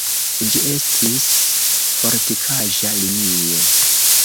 Ĝi estis fortikaĵa linio.